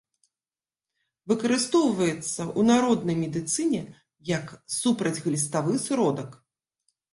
Выкарыстоўваецца ў народнай медыцыне як супрацьгліставы сродак.